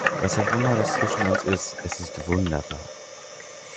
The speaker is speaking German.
Was auch immer das zwischen uns ist, es ist wunderbar.